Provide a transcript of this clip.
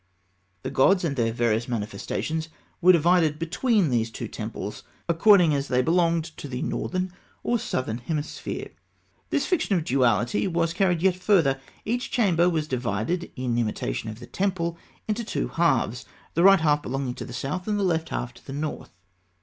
The gods and their various manifestations were divided between these two temples, according as they belonged to the northern or southern hemisphere. This fiction of duality was carried yet further. Each chamber was divided, in imitation of the temple, into two halves, the right half belonging to the south, and the left half to the north.